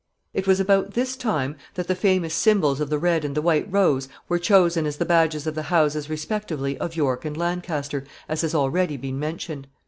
] It was about this time that the famous symbols of the red and the white rose were chosen as the badges of the houses respectively of York and Lancaster, as has already been mentioned.